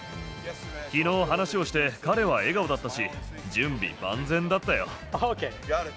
きのう、話をして、彼は笑顔だったし、準備万全だったよ。